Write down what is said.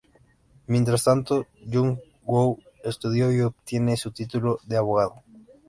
Mientras tanto, Jung Woo estudio y obtiene su título de abogado.